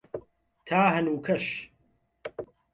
تا هەنووکەش